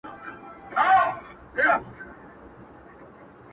نور د نورو لېوني دې کبرجنې”